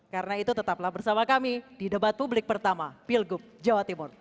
karena itu tetaplah bersama kami di debat publik pertama pilgub jawa timur